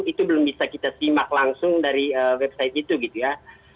itu belum bisa kita simak langsung dari website itu gitu ya